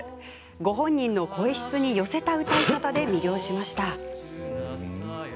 ご本人の声質に寄せた歌い方で魅了しました。